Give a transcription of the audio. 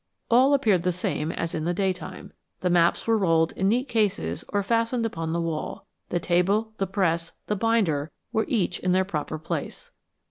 All appeared the same as in the day time. The maps were rolled in neat cases or fastened upon the wall. The table, the press, the binder were each in their proper place.